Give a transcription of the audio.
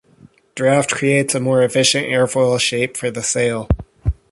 Draft creates a more efficient airfoil shape for the sail.